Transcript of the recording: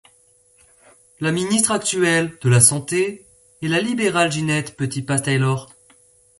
La ministre actuelle de la Santé est la libérale Ginette Petitpas Taylor.